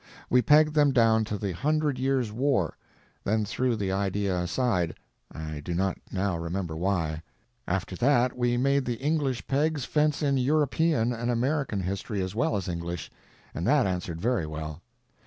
We pegged them down to the Hundred Years' War, then threw the idea aside, I do not now remember why. After that we made the English pegs fence in European and American history as well as English, and that answered very well.